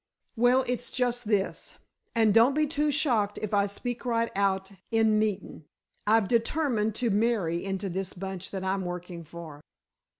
"Well, it's just this. And don't be too shocked if I speak right out in meetin'. I've determined to marry into this bunch that I'm working for."